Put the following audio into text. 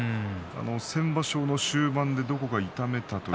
先場所の終盤でどこか痛めたと。